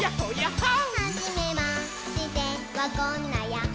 「はじめましてはこんなヤッホ」